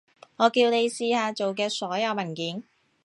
我叫你試下做嘅所有文件